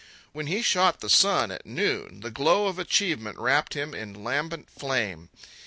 When he shot the sun at noon, the glow of achievement wrapped him in lambent flame.